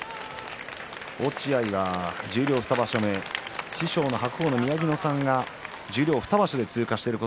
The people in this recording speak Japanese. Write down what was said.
落合が十両２場所目師匠の白鵬、宮城野さん十両は２場所で通過しています。